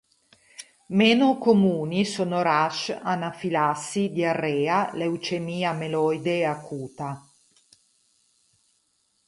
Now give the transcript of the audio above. Meno comuni sono rash, anafilassi, diarrea, leucemia mieloide acuta.